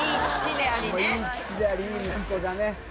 いい父でありいい息子だね。